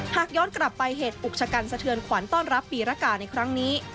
หากย้อนกลับไปเหตุอุกชะกันสะเทือนขวัญต้อนรับปีรกาในครั้งนี้